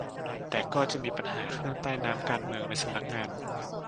แต่ก็จะมีปัญหาคลื่นใต้น้ำการเมืองในสำนักงาน